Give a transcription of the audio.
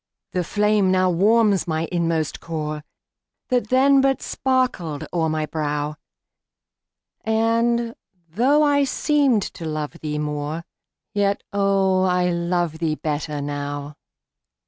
The flame now warms my inmost core, That then but sparkled o'er my brow, And, though I seemed to love thee more, Yet, oh, I love thee better now.